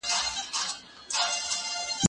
زه اوږده وخت تمرين کوم؟!